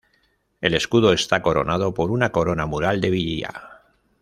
El escudo está coronado por una corona mural de villa.